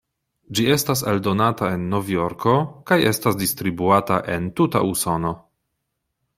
Ĝi estas eldonata en Novjorko kaj estas distribuata en tuta Usono.